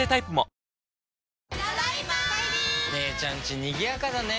姉ちゃんちにぎやかだね。